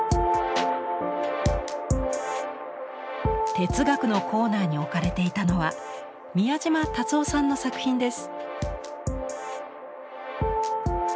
哲学のコーナーに置かれていたのは宮島達男さんの作品です。